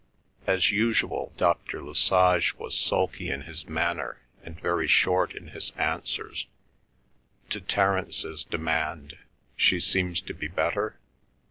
As usual, Dr. Lesage was sulky in his manner and very short in his answers. To Terence's demand, "She seems to be better?"